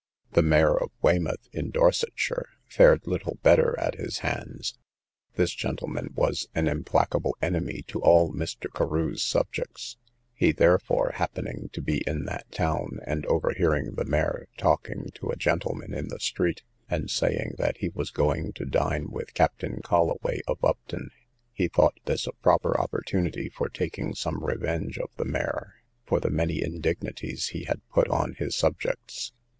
The mayor of Weymouth, in Dorsetshire, fared little better at his hands. This gentleman was an implacable enemy to all Mr. Carew's subjects. He therefore, happening to be in that town, and overhearing the mayor talking to a gentleman in the street, and saying that he was going to dine with Captain Colloway, of Upton, he thought this a proper opportunity for taking some revenge of the mayor, for the many indignities he had put on his subjects.